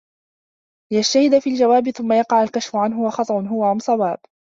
لِيَجْتَهِدَ فِي الْجَوَابِ ثُمَّ يَقَعَ الْكَشْفُ عَنْهُ أَخَطَأٌ هُوَ أَمْ صَوَابٌ